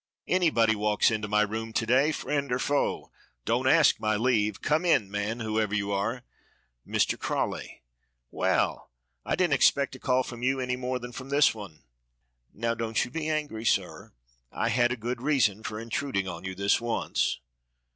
Anybody walks into my room to day, friend or foe. Don't ask my leave come in, man, whoever you are Mr. Crawley; well, I didn't expect a call from you any more than from this one." "Now don't you be angry, sir. I had a good reason for intruding on you this once.